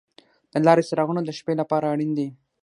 د لارې څراغونه د شپې لپاره اړین دي.